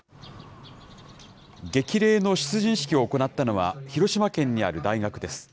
激励の出陣式を行ったのは、広島県にある大学です。